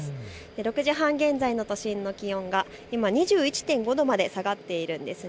６時半現在の都心の気温が２１．５度まで下がっているんです。